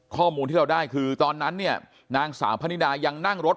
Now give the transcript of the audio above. ข้อมูลที่เราได้คือตอนนั้นเนี่ยนางสาวพนิดายังนั่งรถ